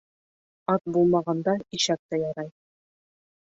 Ат булмағанда, ишәк тә ярай.